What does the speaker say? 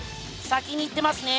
先に行ってますね。